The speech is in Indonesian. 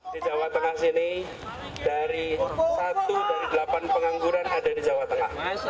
di jawa tengah sini dari satu dari delapan pengangguran ada di jawa tengah